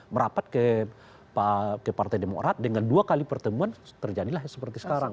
merapat ke partai demokrat dengan dua kali pertemuan terjadilah seperti sekarang